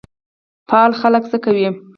فعال خلک څه کوي؟